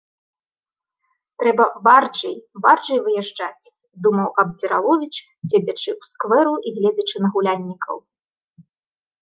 «Трэба барджэй, барджэй выязджаць», — думаў Абдзіраловіч, седзячы ў сквэру і гледзячы на гуляннікаў.